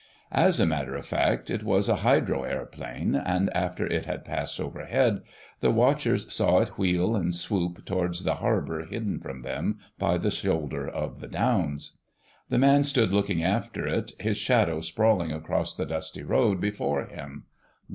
As a matter of fact it was a Hydro Aeroplane, and after it had passed overhead the watchers saw it wheel and swoop towards the harbour hidden from them by the shoulder of the downs. The man stood looking after it, his shadow sprawling across the dusty road before him.